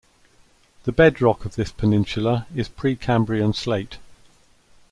The bedrock of this peninsula is Precambrian slate.